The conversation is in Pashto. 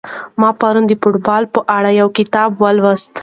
ما پرون د فوټبال په اړه یو کتاب ولوست.